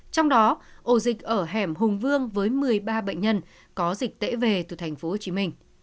trong đó ổ dịch ở hẻm hùng vương với một mươi ba bệnh nhân có dịch tễ về từ tp hcm